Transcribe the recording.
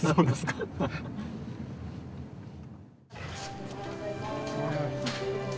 おはようございます。